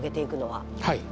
はい。